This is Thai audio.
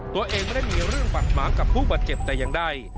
ตัวเองไม่ได้มีเรื่องบัดหมางกับผู้บาดเจ็บแต่อย่างใด